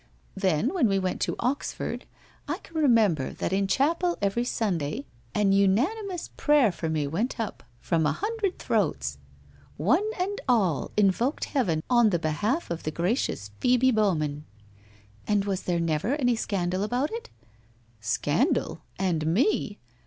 Then, when we went to Oxford, I can remember that in chapel every Sun day an unanimous prayer for me went up from a hundred throats. One and all invoked heaven on the behalf of gracious Phoebe Bowman '' And was there never any scandal about it ?' 'Scandal — and me!'